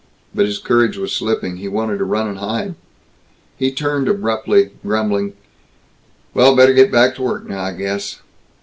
But his courage was slipping. He wanted to run and hide. He turned abruptly, grumbling, "Well, better get back to work now, I guess."